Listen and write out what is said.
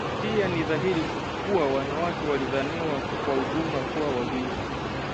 Pia ni dhahiri kuwa wanawake walidhaniwa kwa ujumla kuwa wavivu